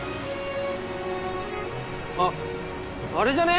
あっあれじゃね？